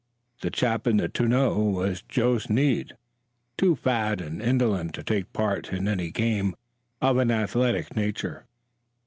The chap in the tonneau was Joe Snead, too fat and indolent to take part in any game of an athletic nature.